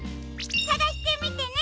さがしてみてね！